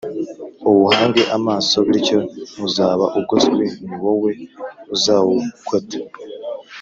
uwuhange amaso bityo uzaba ugoswe ni wowe uzawugota